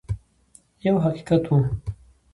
یو حقیقت وو.